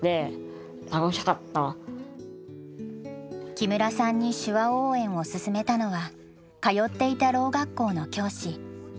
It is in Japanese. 木村さんに手話応援を勧めたのは通っていたろう学校の教師江藤千恵子さん。